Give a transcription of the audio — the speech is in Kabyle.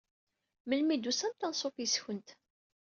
Meli i d-tusamt anṣuf yes-kent.